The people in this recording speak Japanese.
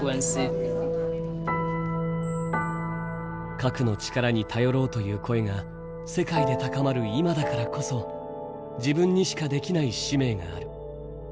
核の力に頼ろうという声が世界で高まる今だからこそ自分にしかできない使命がある。